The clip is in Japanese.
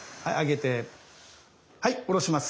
はい下ろします。